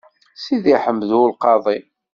Sidi Ḥmed U Lqaḍi.